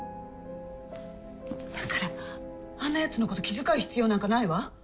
だからあんなやつのこと気遣う必要なんかないわ。